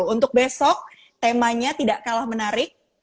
untuk besok temanya tidak kalah menarik